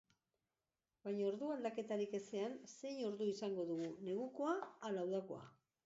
Baina ordu aldaketarik ezean, zein ordu izango dugu, negukoa ala udakoa?